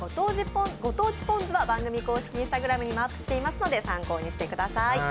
御当地ぽん酢は番組公式Ｉｎｓｔａｇｒａｍにもアップしていますので参考にしてください。